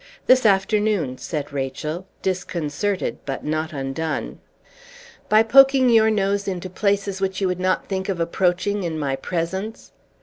"This afternoon," said Rachel, disconcerted but not undone. "By poking your nose into places which you would not think of approaching in my presence?"